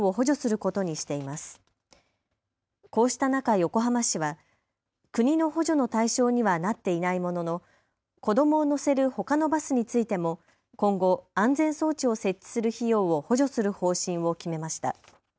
こうした中、横浜市は国の補助の対象にはなっていないものの子どもを乗せるほかのバスについても今後、安全装置を設置する費用を補助する方針を決めました。